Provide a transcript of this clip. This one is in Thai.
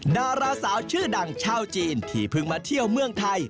ดาราสาวชื่อดังชาวจีนที่เพิ่งมาเที่ยวเมืองไทย